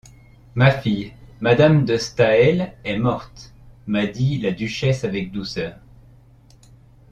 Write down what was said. Ma fille, madame de Staël est morte, » m’a dit la duchesse avec douceur.